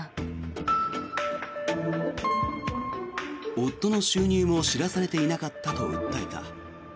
夫の収入も知らされていなかったと訴えた。